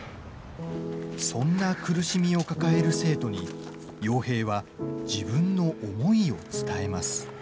そんな苦しみを抱える生徒に陽平は自分の思いを伝えます。